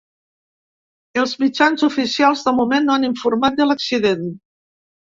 Els mitjans oficials de moment no han informat de l’accident.